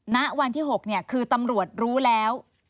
ณวันที่๖คือตำรวจรู้แล้ว